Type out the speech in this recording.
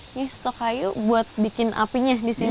ini stok kayu buat bikin apinya di sini